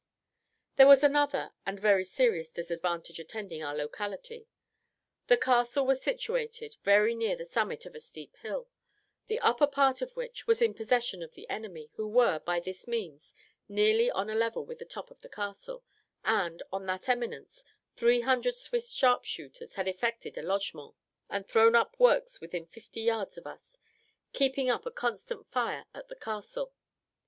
There was another and very serious disadvantage attending our locality. The castle was situated very near the summit of a steep hill, the upper part of which was in possession of the enemy, who were, by this means, nearly on a level with the top of the castle, and, on that eminence, three hundred Swiss sharpshooters had effected a lodgment, and thrown up works within fifty yards of us, keeping up a constant fire at the castle.